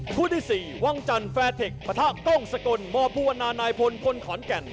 กู้ที่สี่วังจันแฟร์เทคปฏก้องสกลมภูมินานายพลคนขอนแก่น